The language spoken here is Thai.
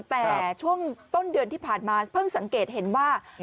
แต่ช่วงต้นเดือนที่ผ่านมาเพิ่งสังเกตเห็นว่า